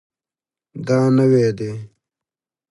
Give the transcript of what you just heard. دا نوی دی